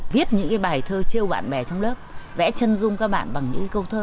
viết những bài thơ trêu bạn bè trong lớp vẽ chân dung các bạn bằng những câu thơ